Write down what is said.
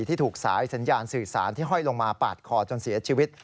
ที่ถูกสายสัญญาณสื่อสารที่ห้อยลงมาปาดคอจนเสียชีวิต